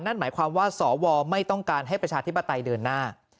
นั่นหมายความว่าสวไม่ต้องการให้ประชาธิปไตยเดินหน้า